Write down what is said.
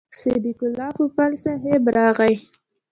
صدیق الله پوپل صاحب راغی.